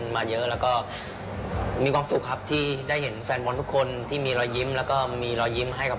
ก็ตอนนี้ผิวดำนิดนึงที่ไทรัทช่อง๓๒ครับ